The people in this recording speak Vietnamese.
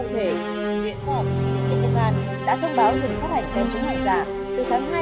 cụ thể điện thoại của bộ công an